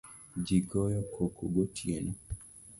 Jii goyo koko gotieno